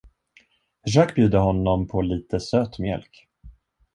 Försök bjuda honom på lite söt mjölk.